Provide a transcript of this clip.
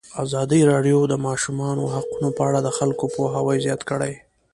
ازادي راډیو د د ماشومانو حقونه په اړه د خلکو پوهاوی زیات کړی.